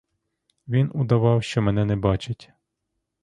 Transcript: Він удавав, що мене не бачить.